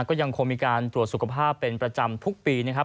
ก็ยังคงมีการตรวจสุขภาพเป็นประจำทุกปีนะครับ